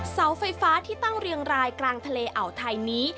เสาไฟฟ้าที่ตั้งเรียงรายกลางทะเลอ่าวไทยนี้